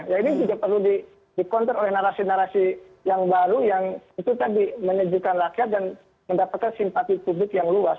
ya ini juga perlu di counter oleh narasi narasi yang baru yang itu tadi menyejukkan rakyat dan mendapatkan simpati publik yang luas